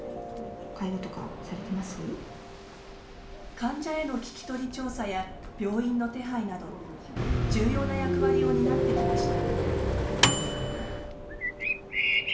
患者への聞き取り調査や病院の手配など重要な役割を担ってきました。